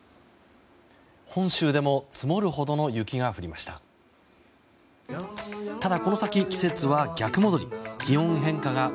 本州でも積もるほどの雪が降りました。